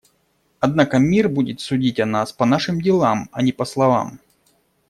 Однако мир будет судить о нас по нашим делам, а не по словам.